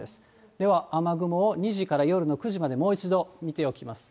では、雨雲を２時から夜の９時までもう一度見ておきます。